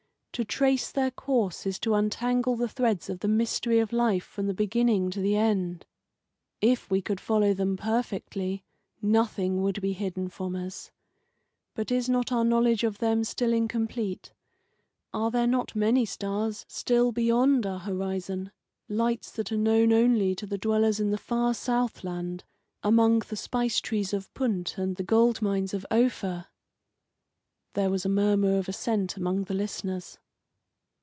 To trace their course is to untangle the threads of the mystery of life from the beginning to the end. If we could follow them perfectly, nothing would be hidden from us. But is not our knowledge of them still incomplete? Are there not many stars still beyond our horizon lights that are known only to the dwellers in the far south land, among the spice trees of Punt and the gold mines of Ophir?" There was a murmur of assent among the listeners.